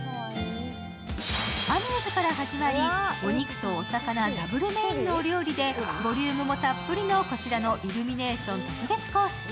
アミューズから始まるお肉とお魚ダブルメインのお料理でボリュームもたっぷりのこちらのイルミネーション特別コース。